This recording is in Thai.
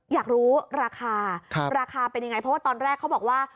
อยากรู้ราคาราคาเป็นยังไงเพราะว่าตอนแรกเขาบอกว่า